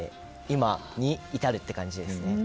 今に至るっていう感じですね。